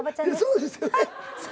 そうですよね。